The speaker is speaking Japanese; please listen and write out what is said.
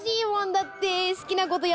だって。